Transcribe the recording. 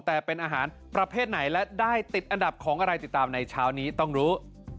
แต่เป็นอาหารประเภทไหนและได้ติดอันดับของอะไรติดตามในเช้านี้ต้องรู้